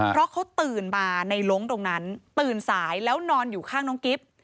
เพราะเขาตื่นมาในล้งตรงนั้นตื่นสายแล้วนอนอยู่ข้างน้องกิฟต์